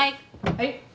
はい。